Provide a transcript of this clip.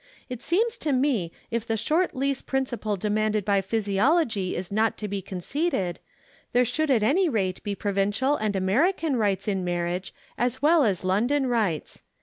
It seems to me if the short lease principle demanded by physiology is not to be conceded, there should at any rate be provincial and American rights in marriage as well as London rights.